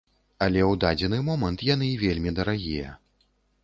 Але ў дадзены момант яны вельмі дарагія.